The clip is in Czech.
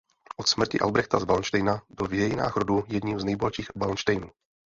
Od smrti Albrechta z Valdštejna byl v dějinách rodu jedním z nejbohatších Valdštejnů.